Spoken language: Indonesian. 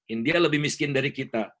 india lebih miskin dari kita